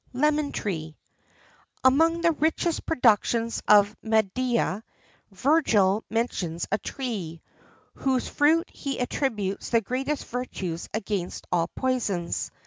LEMON TREE. Among the richest productions of Media, Virgil mentions a tree, to whose fruit he attributes the greatest virtues against all poisons.